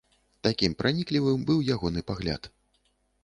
Такім праніклівым быў ягоны пагляд.